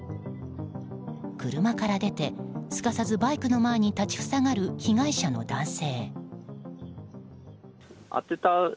車から出てすかさずバイクの前に立ち塞がる被害者の男性。